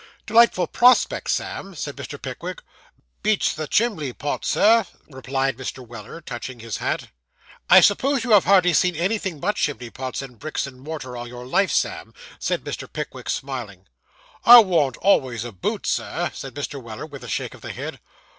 'Delightful prospect, Sam,' said Mr. Pickwick. 'Beats the chimbley pots, Sir,' replied Mr. Weller, touching his hat. 'I suppose you have hardly seen anything but chimney pots and bricks and mortar all your life, Sam,' said Mr. Pickwick, smiling. 'I worn't always a boots, sir,' said Mr. Weller, with a shake of the head.